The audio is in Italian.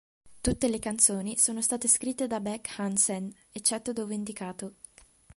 Tutte le canzoni sono state scritte da Beck Hansen, eccetto dove indicato.